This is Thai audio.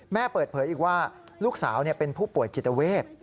แม่เปิดเผยอีกว่าลูกสาวเป็นผู้ป่วยจิตเวท